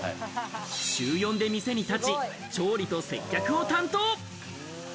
週４で店に立ち、調理と接客を担当。